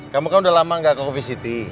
kamu kan udah lama gak ke coffe city